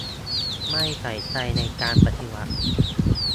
ไม่ใส่ใจในการปฏิบัติ